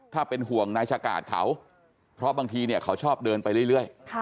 ถ้าเป็นห่วงนายชะกาดเขาเพราะบางทีเนี่ยเขาชอบเดินไปเรื่อย